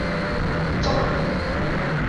চলো, জনি।